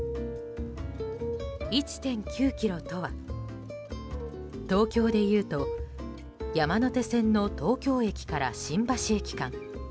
１．９ｋｍとは、東京でいうと山手線の東京駅から新橋駅間。